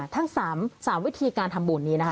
ทั้ง๓วิธีการทำบุญนี้นะคะ